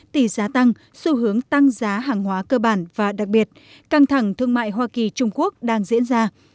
tỷ giá tăng xu hướng tăng giá hàng hóa cơ bản và đặc biệt căng thẳng thương mại hoa kỳ trung quốc đang diễn ra